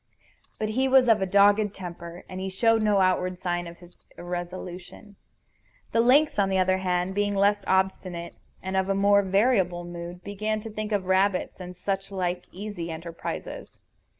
But he was of dogged temper, and he showed no outward sign of his irresolution. The lynx, on the other hand, being less obstinate and of more variable mood, began to think of rabbits and such like easy enterprises.